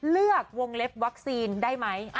เลือกวงเล็บวัคซีนได้ไหม